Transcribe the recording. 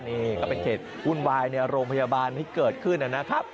นี่ก็เป็นเหตุวุ่นวายในโรงพยาบาลที่เกิดขึ้นนะครับ